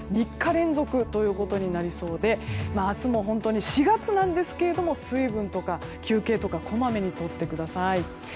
３日連続となりそうで明日も本当に４月なんですが水分とか休憩とかこまめに取ってください。